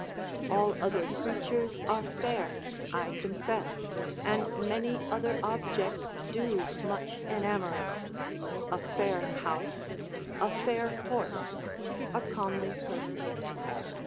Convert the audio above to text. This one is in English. All other creatures are fair, I confess, and many other objects do much enamour us, a fair house, a fair horse, a comely person.